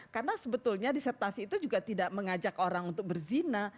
karena sebetulnya disertasi itu juga tidak mengajak orang untuk berzina